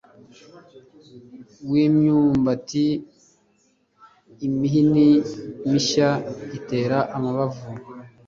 w'imyumbati. imihini mishya itera amabavu